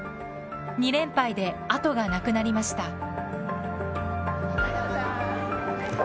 ２連敗であとがなくなりました。